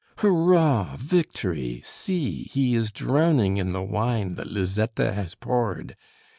Hurrah, Victory! See, he is drowning In the wine that Lizzetta has poured.